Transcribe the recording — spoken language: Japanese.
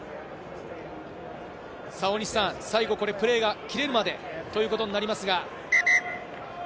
最後このプレーが切れるまでということになりますが。